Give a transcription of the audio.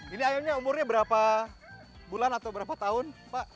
ini ayamnya umurnya berapa bulan atau berapa tahun pak